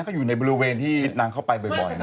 ก็อยู่ในบริเวณที่นางเข้าไปบ่อยนะ